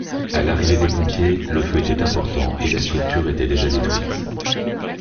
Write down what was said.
À l'arrivée des pompiers, le feu était important et la structure était déjà détruite.